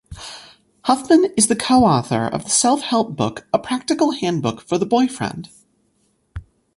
Huffman is the co-author of the self-help book "A Practical Handbook for the Boyfriend".